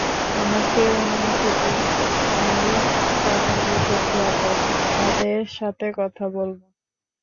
আমাকে অনুমতি দিন, আমি তাদের নিকট যাব, তাদের সাথে কথা বলব।